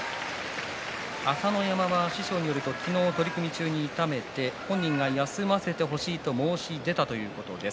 朝乃山は師匠によると昨日、取組中に痛めて本人が休ませてほしいと申し出たということです。